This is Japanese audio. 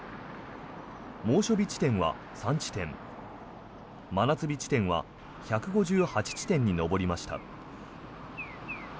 猛暑日地点は３地点真夏日地点は１５８地点に上りました。